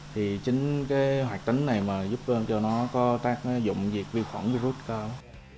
thì chính cái hoạt tính này mà giúp cho nó có tác dụng việc vi khuẩn virus cao